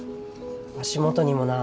足元にもな。